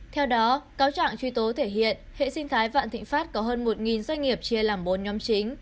theo đó cáo trạng truy tố thể hiện hệ sinh thái vạn thịnh pháp có hơn một doanh nghiệp chia làm bốn nhóm chính